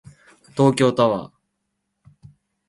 東京タワー